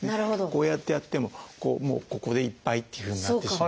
こうやってやってももうここでいっぱいっていうふうになってしまう。